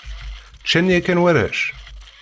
Ččan yakan warrac?